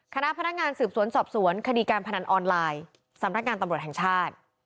คณะพนักงานสืบสวนสอบสวนคดีการพนันออนไลน์สำนักงานตำรวจแห่งชาติ